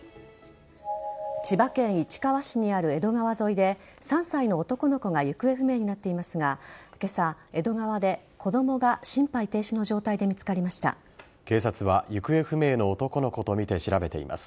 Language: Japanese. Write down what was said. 千葉県市川市にある江戸川沿いで３歳の男の子が行方不明になっていますが今朝、江戸川で子供が心肺停止の状態で警察は行方不明の男の子とみて調べています。